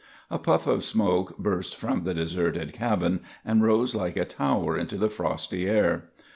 A puff of smoke burst from the deserted cabin and rose like a tower into the frosty air.